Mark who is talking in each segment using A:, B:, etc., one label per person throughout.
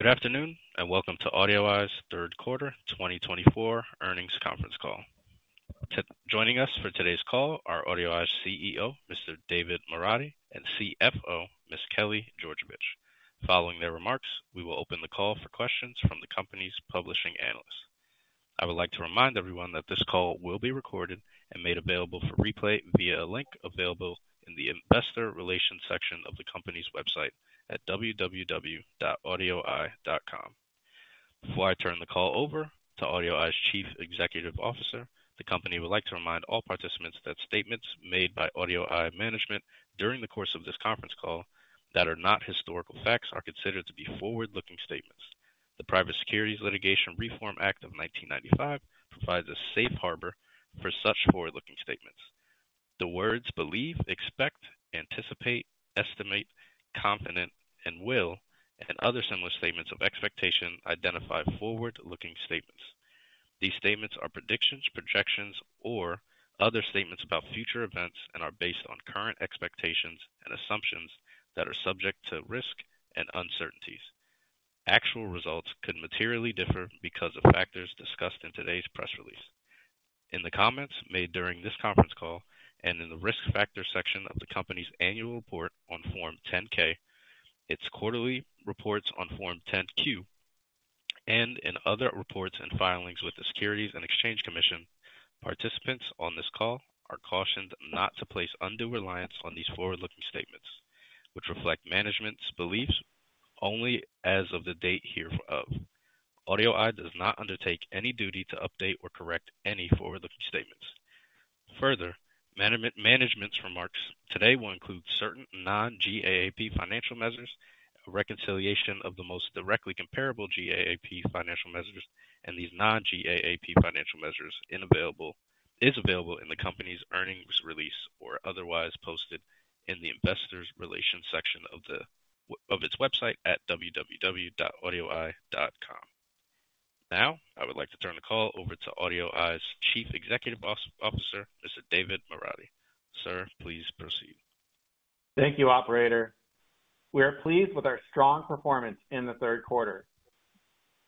A: Good afternoon and welcome to AudioEye's third quarter 2024 earnings conference call. Joining us for today's call are AudioEye's CEO, Mr. David Moradi, and CFO, Ms. Kelly Georgevich. Following their remarks, we will open the call for questions from the company's participating analysts. I would like to remind everyone that this call will be recorded and made available for replay via a link available in the investor relations section of the company's website at www.audioeye.com. Before I turn the call over to AudioEye's Chief Executive Officer, the company would like to remind all participants that statements made by AudioEye management during the course of this conference call that are not historical facts are considered to be forward-looking statements. The Private Securities Litigation Reform Act of 1995 provides a safe harbor for such forward-looking statements. The words believe, expect, anticipate, estimate, confident, and will, and other similar statements of expectation identify forward-looking statements. These statements are predictions, projections, or other statements about future events and are based on current expectations and assumptions that are subject to risk and uncertainties. Actual results could materially differ because of factors discussed in today's press release. In the comments made during this conference call and in the risk factor section of the company's annual report on Form 10-K, its quarterly reports on Form 10-Q, and in other reports and filings with the Securities and Exchange Commission, participants on this call are cautioned not to place undue reliance on these forward-looking statements, which reflect management's beliefs only as of the date hereof. AudioEye does not undertake any duty to update or correct any forward-looking statements. Further, management's remarks today will include certain Non-GAAP financial measures, reconciliation of the most directly comparable GAAP financial measures, and these Non-GAAP financial measures is available in the company's earnings release or otherwise posted in the investor relations section of its website at www.audioeye.com. Now, I would like to turn the call over to AudioEye's Chief Executive Officer, Mr. David Moradi. Sir, please proceed.
B: Thank you, Operator. We are pleased with our strong performance in the third quarter.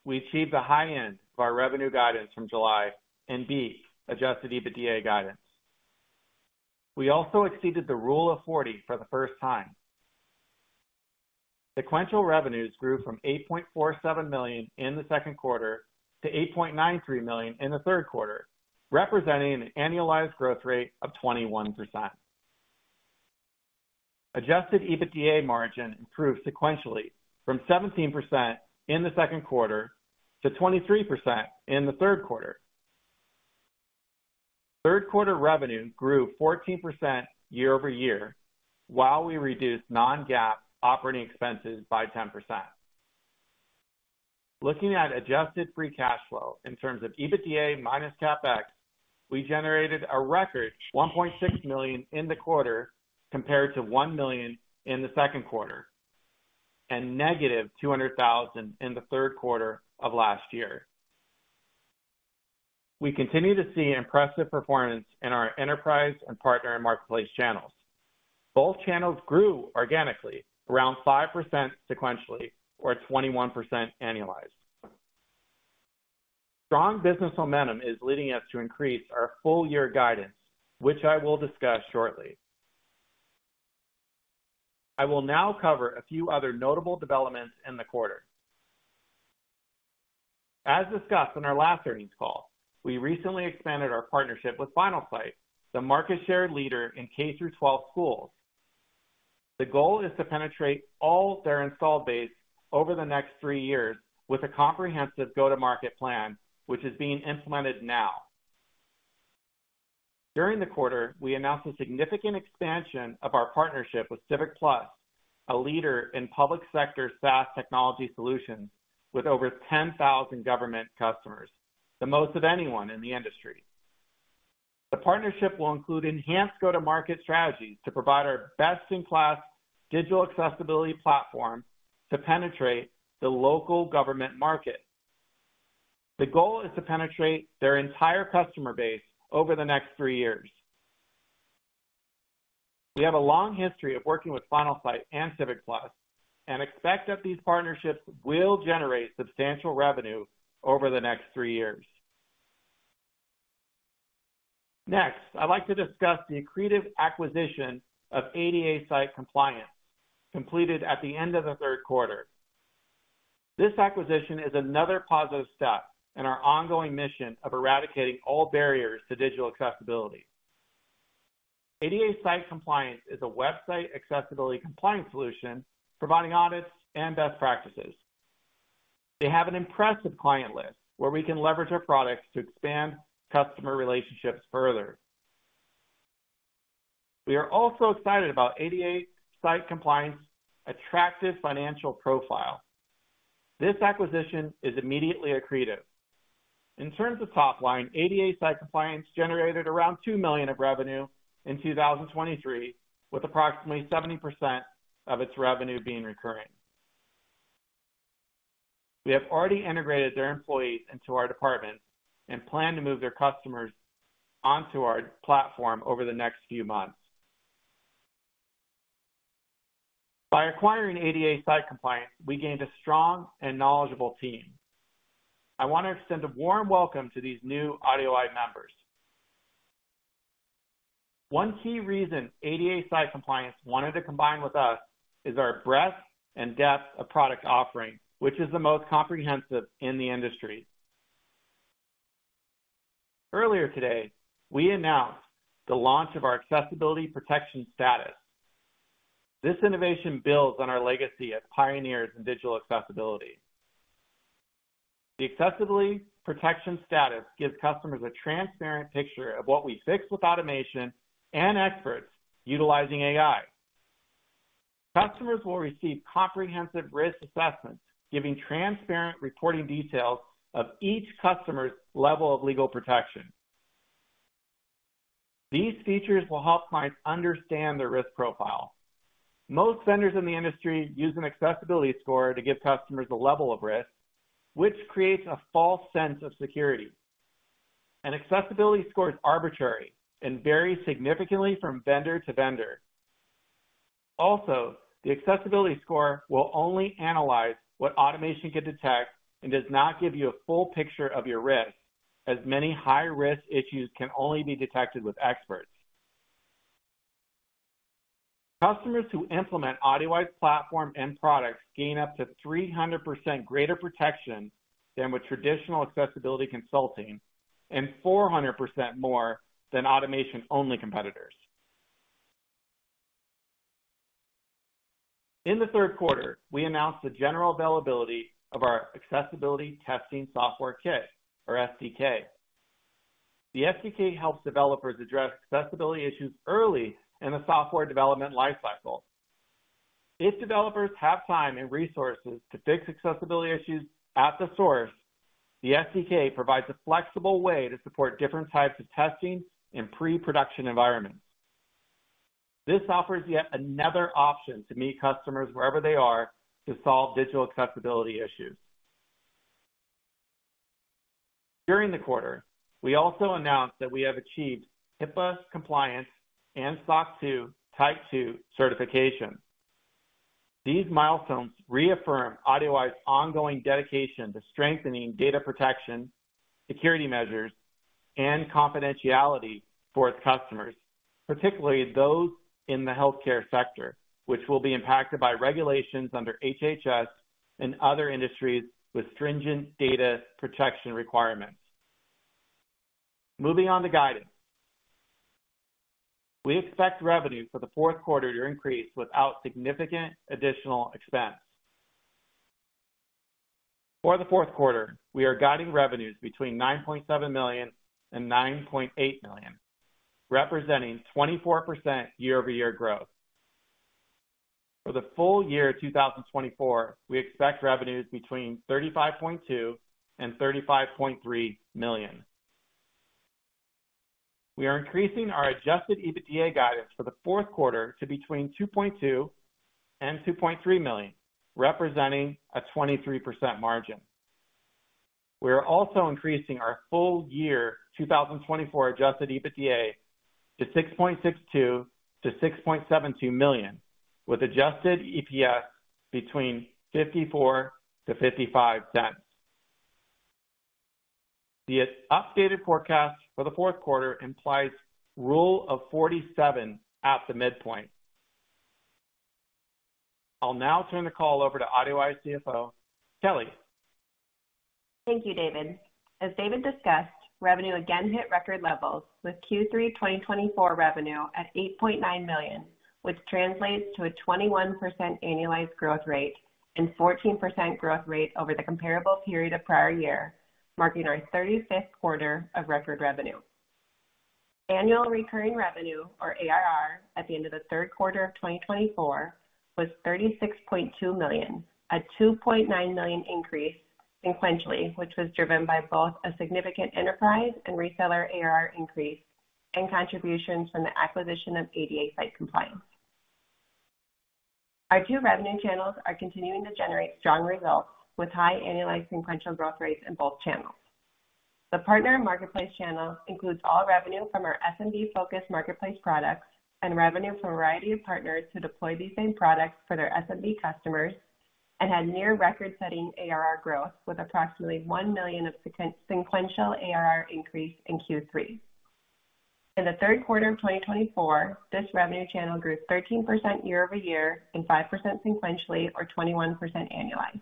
B: We achieved the high end of our revenue guidance from July and beat Adjusted EBITDA guidance. We also exceeded the Rule of 40 for the first time. Sequential revenues grew from $8.47 million in the second quarter to $8.93 million in the third quarter, representing an annualized growth rate of 21%. Adjusted EBITDA margin improved sequentially from 17% in the second quarter to 23% in the third quarter. Third quarter revenue grew 14% year over year while we reduced non-GAAP operating expenses by 10%. Looking at adjusted free cash flow in terms of EBITDA minus CapEx, we generated a record $1.6 million in the quarter compared to $1 million in the second quarter and negative $200,000 in the third quarter of last year. We continue to see impressive performance in our enterprise and partner marketplace channels. Both channels grew organically around 5% sequentially or 21% annualized. Strong business momentum is leading us to increase our full-year guidance, which I will discuss shortly. I will now cover a few other notable developments in the quarter. As discussed in our last earnings call, we recently expanded our partnership with Finalsite, the market share leader in K-12 schools. The goal is to penetrate all their installed base over the next three years with a comprehensive go-to-market plan, which is being implemented now. During the quarter, we announced a significant expansion of our partnership with CivicPlus, a leader in public sector SaaS technology solutions with over 10,000 government customers, the most of anyone in the industry. The partnership will include enhanced go-to-market strategies to provide our best-in-class digital accessibility platform to penetrate the local government market. The goal is to penetrate their entire customer base over the next three years. We have a long history of working with Finalsite and CivicPlus and expect that these partnerships will generate substantial revenue over the next three years. Next, I'd like to discuss the accretive acquisition of ADA Site Compliance completed at the end of the third quarter. This acquisition is another positive step in our ongoing mission of eradicating all barriers to digital accessibility. ADA Site Compliance is a website accessibility compliance solution providing audits and best practices. They have an impressive client list where we can leverage our products to expand customer relationships further. We are also excited about ADA Site Compliance's attractive financial profile. This acquisition is immediately accretive. In terms of top line, ADA Site Compliance generated around $2 million of revenue in 2023, with approximately 70% of its revenue being recurring. We have already integrated their employees into our department and plan to move their customers onto our platform over the next few months. By acquiring ADA Site Compliance, we gained a strong and knowledgeable team. I want to extend a warm welcome to these new AudioEye members. One key reason ADA Site Compliance wanted to combine with us is our breadth and depth of product offering, which is the most comprehensive in the industry. Earlier today, we announced the launch of our Accessibility Protection Status. This innovation builds on our legacy as pioneers in digital accessibility. The Accessibility Protection Status gives customers a transparent picture of what we fix with automation and experts utilizing AI. Customers will receive comprehensive risk assessments, giving transparent reporting details of each customer's level of legal protection. These features will help clients understand their risk profile. Most vendors in the industry use an accessibility score to give customers a level of risk, which creates a false sense of security. An accessibility score is arbitrary and varies significantly from vendor to vendor. Also, the accessibility score will only analyze what automation can detect and does not give you a full picture of your risk, as many high-risk issues can only be detected with experts. Customers who implement AudioEye's platform and products gain up to 300% greater protection than with traditional accessibility consulting and 400% more than automation-only competitors. In the third quarter, we announced the general availability of our accessibility testing software kit, or SDK. The SDK helps developers address accessibility issues early in the software development lifecycle. If developers have time and resources to fix accessibility issues at the source, the SDK provides a flexible way to support different types of testing in pre-production environments. This offers yet another option to meet customers wherever they are to solve digital accessibility issues. During the quarter, we also announced that we have achieved HIPAA compliance and SOC 2 Type II certification. These milestones reaffirm AudioEye's ongoing dedication to strengthening data protection, security measures, and confidentiality for its customers, particularly those in the healthcare sector, which will be impacted by regulations under HHS and other industries with stringent data protection requirements. Moving on to guidance, we expect revenue for the fourth quarter to increase without significant additional expense. For the fourth quarter, we are guiding revenues between $9.7 million and $9.8 million, representing 24% year-over-year growth. For the full year 2024, we expect revenues between $35.2 million and $35.3 million. We are increasing our Adjusted EBITDA guidance for the fourth quarter to between $2.2 million and $2.3 million, representing a 23% margin. We are also increasing our full year 2024 Adjusted EBITDA to $6.62-$6.72 million, with Adjusted EPS between $0.54 to $0.55. The updated forecast for the fourth quarter implies Rule of 47 at the midpoint. I'll now turn the call over to AudioEye CFO, Kelly.
C: Thank you, David. As David discussed, revenue again hit record levels with Q3 2024 revenue at $8.9 million, which translates to a 21% annualized growth rate and 14% growth rate over the comparable period of prior year, marking our 35th quarter of record revenue. Annual recurring revenue, or ARR, at the end of the third quarter of 2024 was $36.2 million, a $2.9 million increase sequentially, which was driven by both a significant enterprise and reseller ARR increase and contributions from the acquisition of ADA Site Compliance. Our two revenue channels are continuing to generate strong results with high annualized sequential growth rates in both channels. The partner marketplace channel includes all revenue from our SMB-focused marketplace products and revenue from a variety of partners who deploy these same products for their SMB customers and had near-record-setting ARR growth with approximately $1 million of sequential ARR increase in Q3. In the third quarter of 2024, this revenue channel grew 13% year-over-year and 5% sequentially, or 21% annualized.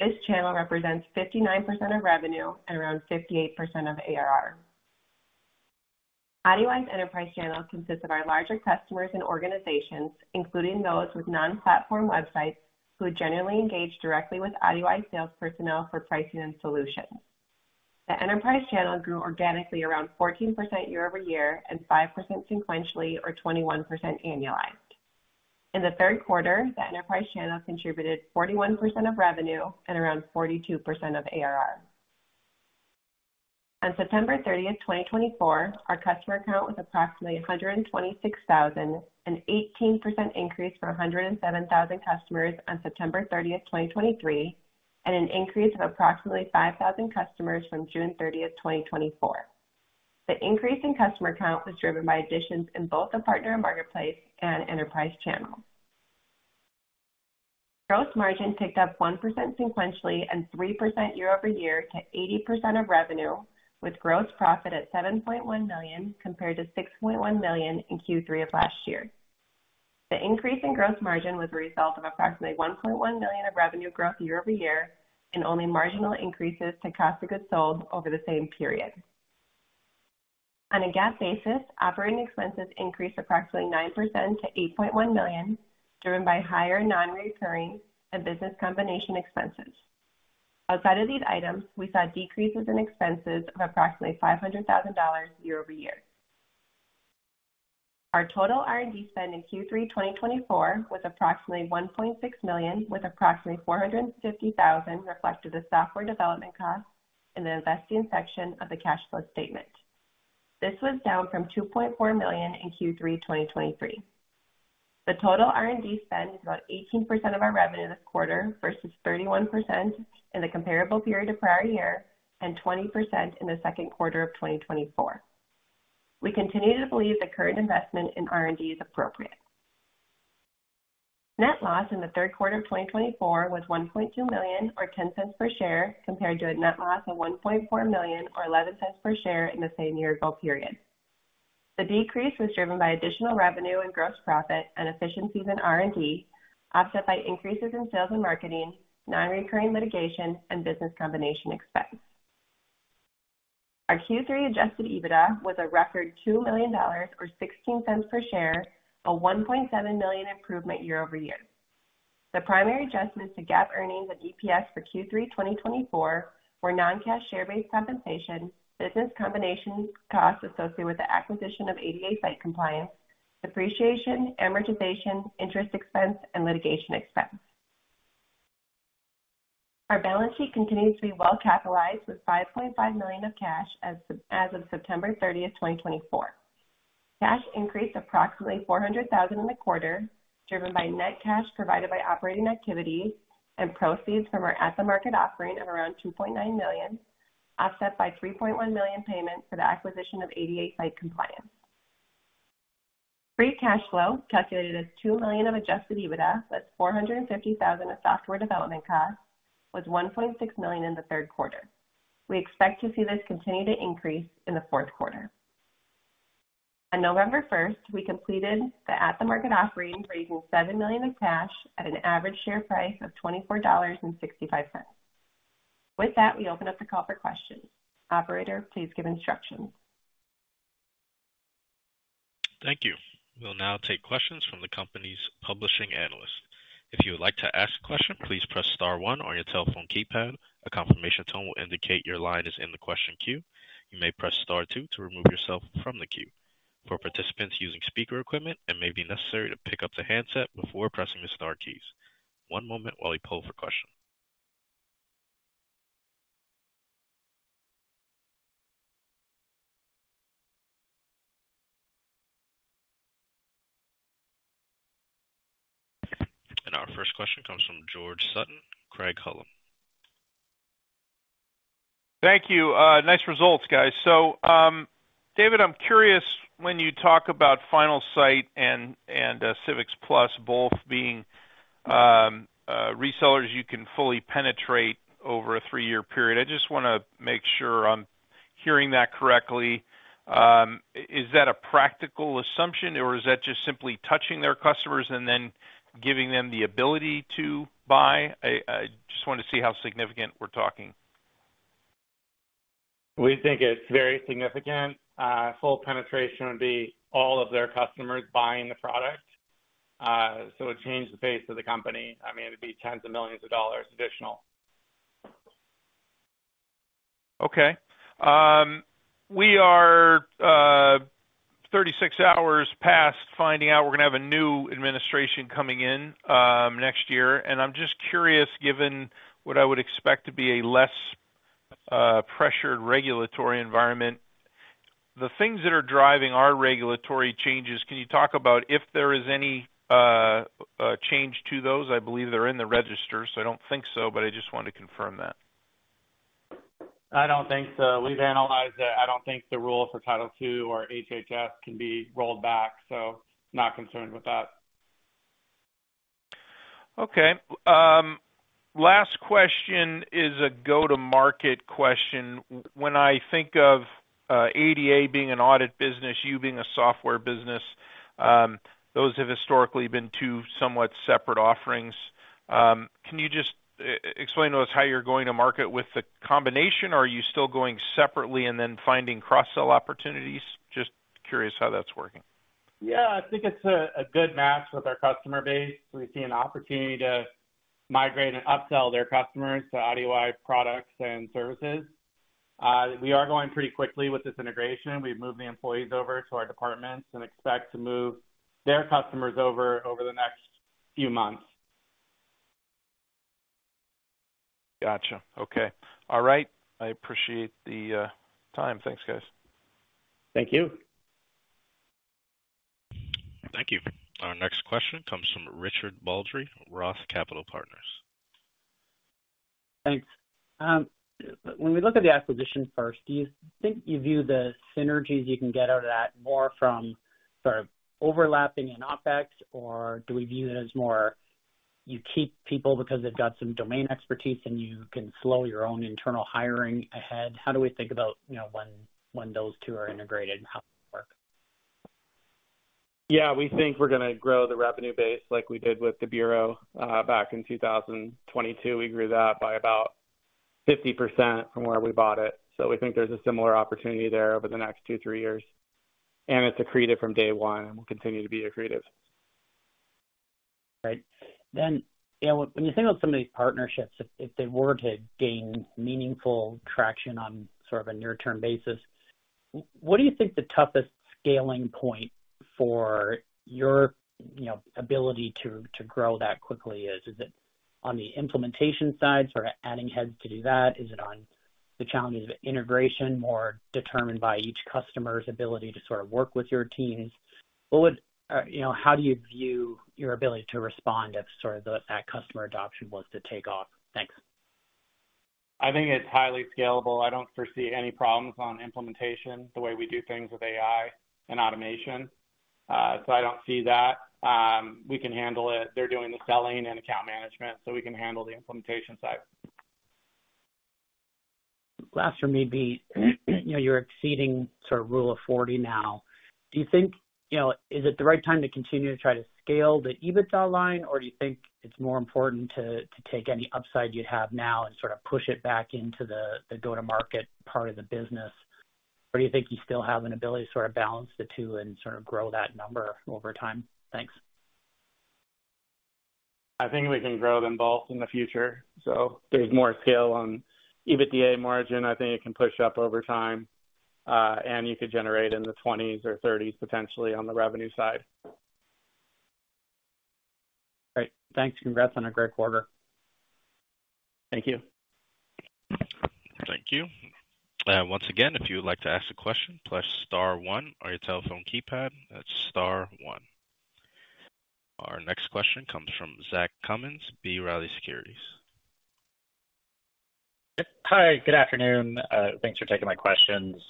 C: This channel represents 59% of revenue and around 58% of ARR. AudioEye's enterprise channel consists of our larger customers and organizations, including those with non-platform websites who generally engage directly with AudioEye sales personnel for pricing and solutions. The enterprise channel grew organically around 14% year-over-year and 5% sequentially, or 21% annualized. In the third quarter, the enterprise channel contributed 41% of revenue and around 42% of ARR. On September 30, 2024, our customer count was approximately 126,000, an 18% increase from 107,000 customers on September 30, 2023, and an increase of approximately 5,000 customers from June 30, 2024. The increase in customer count was driven by additions in both the partner marketplace and enterprise channel. Gross margin picked up 1% sequentially and 3% year-over-year to 80% of revenue, with gross profit at $7.1 million compared to $6.1 million in Q3 of last year. The increase in gross margin was a result of approximately $1.1 million of revenue growth year-over-year and only marginal increases to cost of goods sold over the same period. On a GAAP basis, operating expenses increased approximately 9% to $8.1 million, driven by higher non-recurring and business combination expenses. Outside of these items, we saw decreases in expenses of approximately $500,000 year-over-year. Our total R&D spend in Q3 2024 was approximately $1.6 million, with approximately $450,000 reflected as software development costs in the investing section of the cash flow statement. This was down from $2.4 million in Q3 2023. The total R&D spend is about 18% of our revenue this quarter versus 31% in the comparable period of prior year and 20% in the second quarter of 2024. We continue to believe the current investment in R&D is appropriate. Net loss in the third quarter of 2024 was $1.2 million, or $0.10 per share, compared to a net loss of $1.4 million, or $0.11 per share in the same year-ago period. The decrease was driven by additional revenue and gross profit and efficiencies in R&D, offset by increases in sales and marketing, non-recurring litigation, and business combination expense. Our Q3 Adjusted EBITDA was a record $2 million, or $0.16 per share, a $1.7 million improvement year-over-year. The primary adjustments to GAAP earnings and EPS for Q3 2024 were non-cash share-based compensation, business combination costs associated with the acquisition of ADA Site Compliance, depreciation, amortization, interest expense, and litigation expense. Our balance sheet continues to be well-capitalized with $5.5 million of cash as of September 30, 2024. Cash increased approximately $400,000 in the quarter, driven by net cash provided by operating activities and proceeds from our at-the-market offering of around $2.9 million, offset by $3.1 million payment for the acquisition of ADA Site Compliance. Free cash flow, calculated as $2 million of Adjusted EBITDA, plus $450,000 of software development costs, was $1.6 million in the third quarter. We expect to see this continue to increase in the fourth quarter. On November 1, we completed the at-the-market offering raising $7 million of cash at an average share price of $24.65. With that, we open up the call for questions. Operator, please give instructions.
A: Thank you. We'll now take questions from the company's participating analysts. If you would like to ask a question, please press Star 1 on your telephone keypad. A confirmation tone will indicate your line is in the question queue. You may press Star 2 to remove yourself from the queue. For participants using speaker equipment, it may be necessary to pick up the handset before pressing the Star keys. One moment while we poll for questions, and our first question comes from George Sutton, Craig-Hallum.
D: Thank you. Nice results, guys. So, David, I'm curious when you talk about Finalsite and CivicPlus both being resellers you can fully penetrate over a three-year period, I just want to make sure I'm hearing that correctly. Is that a practical assumption, or is that just simply touching their customers and then giving them the ability to buy? I just want to see how significant we're talking.
B: We think it's very significant. Full penetration would be all of their customers buying the product. So it would change the face of the company. I mean, it'd be tens of millions of dollars additional.
D: Okay. We are 36 hours past finding out we're going to have a new administration coming in next year. And I'm just curious, given what I would expect to be a less pressured regulatory environment, the things that are driving our regulatory changes, can you talk about if there is any change to those? I believe they're in the register, so I don't think so, but I just want to confirm that.
B: I don't think so. We've analyzed it. I don't think the rule for Title II or HHS can be rolled back, so not concerned with that.
D: Okay. Last question is a go-to-market question. When I think of ADA being an audit business, you being a software business, those have historically been two somewhat separate offerings. Can you just explain to us how you're going to market with the combination, or are you still going separately and then finding cross-sell opportunities? Just curious how that's working.
B: Yeah, I think it's a good match with our customer base. We see an opportunity to migrate and upsell their customers to AudioEye products and services. We are going pretty quickly with this integration. We've moved the employees over to our departments and expect to move their customers over the next few months.
D: Gotcha. Okay. All right. I appreciate the time. Thanks, guys.
B: Thank you.
A: Thank you. Our next question comes from Richard Baldry, Roth Capital Partners.
E: Thanks. When we look at the acquisition first, do you think you view the synergies you can get out of that more from sort of overlapping and OpEx, or do we view it as more you keep people because they've got some domain expertise and you can slow your own internal hiring ahead? How do we think about when those two are integrated and how they work?
B: Yeah, we think we're going to grow the revenue base like we did with the Bureau back in 2022. We grew that by about 50% from where we bought it, so we think there's a similar opportunity there over the next two, three years, and it's accretive from day one, and we'll continue to be accretive.
E: Right. Then, when you think about some of these partnerships, if they were to gain meaningful traction on sort of a near-term basis, what do you think the toughest scaling point for your ability to grow that quickly is? Is it on the implementation side, sort of adding heads to do that? Is it on the challenges of integration, more determined by each customer's ability to sort of work with your teams? How do you view your ability to respond if sort of that customer adoption was to take off? Thanks.
B: I think it's highly scalable. I don't foresee any problems on implementation the way we do things with AI and automation. So I don't see that. We can handle it. They're doing the selling and account management, so we can handle the implementation side.
E: Last for me would be you're exceeding sort of Rule of 40 now. Do you think is it the right time to continue to try to scale the EBITDA line, or do you think it's more important to take any upside you'd have now and sort of push it back into the go-to-market part of the business? Or do you think you still have an ability to sort of balance the two and sort of grow that number over time? Thanks.
B: I think we can grow them both in the future. So there's more scale on EBITDA margin. I think it can push up over time, and you could generate in the 20s or 30s potentially on the revenue side.
E: Great. Thanks. Congrats on a great quarter.
B: Thank you.
A: Thank you. Once again, if you'd like to ask a question, press Star 1 on your telephone keypad. That's Star 1. Our next question comes from Zach Cummins, B. Riley Securities.
F: Hi. Good afternoon. Thanks for taking my questions.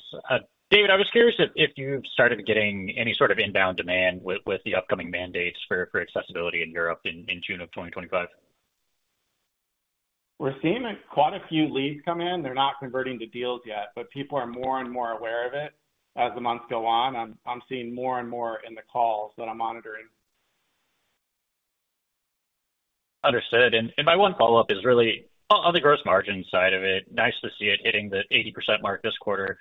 F: David, I was curious if you've started getting any sort of inbound demand with the upcoming mandates for accessibility in Europe in June of 2025?
B: We're seeing quite a few leads come in. They're not converting to deals yet, but people are more and more aware of it as the months go on. I'm seeing more and more in the calls that I'm monitoring.
F: Understood. And my one follow-up is really on the gross margin side of it, nice to see it hitting the 80% mark this quarter.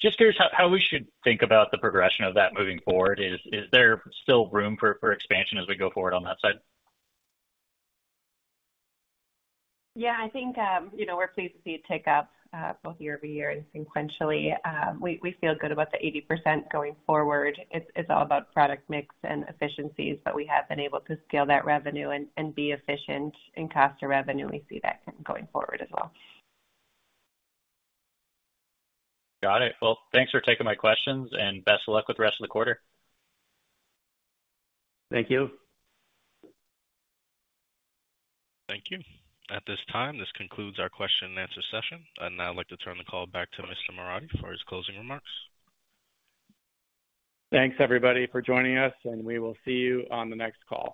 F: Just curious how we should think about the progression of that moving forward. Is there still room for expansion as we go forward on that side?
C: Yeah, I think we're pleased to see it take up both year-over-year and sequentially. We feel good about the 80% going forward. It's all about product mix and efficiencies, but we have been able to scale that revenue and be efficient in cost of revenue. We see that going forward as well.
F: Got it. Well, thanks for taking my questions, and best of luck with the rest of the quarter.
B: Thank you.
A: Thank you. At this time, this concludes our question-and-answer session. And I'd like to turn the call back to Mr. Moradi for his closing remarks.
B: Thanks, everybody, for joining us, and we will see you on the next call.